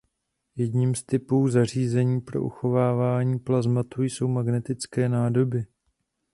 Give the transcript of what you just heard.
Jedním z typů zařízení pro uchovávání plazmatu jsou magnetické nádoby.